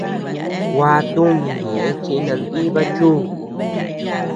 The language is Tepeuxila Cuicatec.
Gua tumi ñeʼe chi nandiba chu.